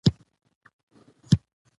بس کله روانیږي؟